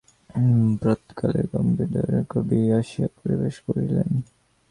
প্রাতঃকালে কম্পিতহৃদয় কবি রণক্ষেত্রে আসিয়া প্রবেশ করিলেন।